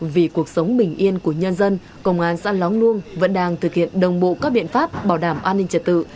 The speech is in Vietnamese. vì cuộc sống bình yên của nhân dân công an xã lóng luông vẫn đang thực hiện đồng bộ các biện pháp bảo đảm an ninh trật tự